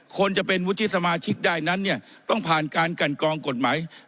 คนจะเป็นวุฒิสมาชิกได้นั้นเนี่ยต้องผ่านการกันกรองกฎหมาย